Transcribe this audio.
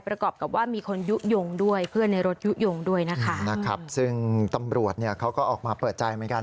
ประกอบกับว่ามีคนยุโง่พื้นในรถหายอยู่ซึ่งตำรวจนี่เขาก็ออกมาเปิดใจนาน